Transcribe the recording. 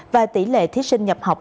và tỷ lệ thí sinh nhập học